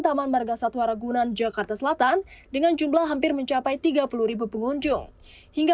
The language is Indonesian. taman marga satwa ragunan jakarta selatan dengan jumlah hampir mencapai tiga puluh pengunjung hingga